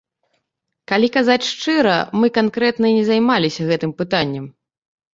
Калі казаць шчыра, мы канкрэтна і не займаліся гэтым пытаннем.